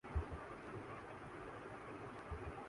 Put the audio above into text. جبکہ university canteen کے کنارے لگا چیڑ کا درخت خاموش ہے